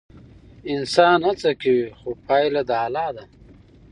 انسان هڅه کوي خو پایله د الله ده.